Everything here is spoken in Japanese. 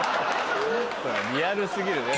リアル過ぎるね